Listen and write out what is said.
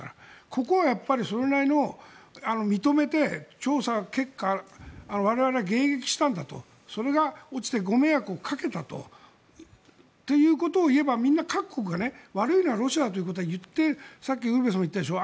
ここはそれなりに認めて調査結果我々が迎撃したんだとそれが落ちてご迷惑をかけたということを言えばみんな各国が悪いのはロシアだって言って、さっきウルヴェさんも言ったでしょ